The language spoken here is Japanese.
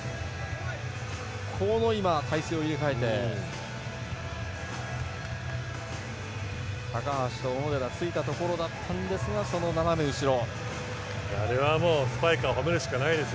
態勢を入れ替えて高橋と小野寺がついたところだったんですがその斜め後ろ。